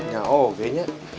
ya oh kayaknya